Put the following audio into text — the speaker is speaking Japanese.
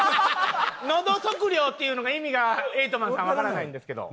「のど測量」っていうのが意味がエイト・マンさんわからないんですけど。